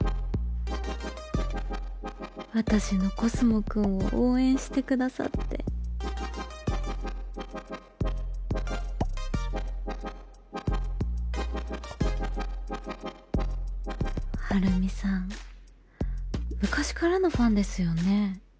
私のコスモくんを応援してくださってはるみさん昔からのファンですよね